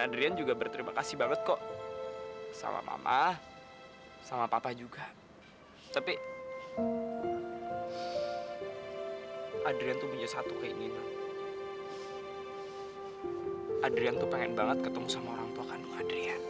adrian juga pengen banget ketemu sama orang tua kandung adrian